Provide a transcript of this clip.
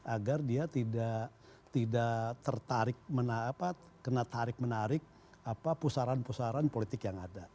agar dia tidak tertarik kena tarik menarik pusaran pusaran politik yang ada